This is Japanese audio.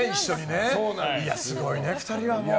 すごいね、２人はもう。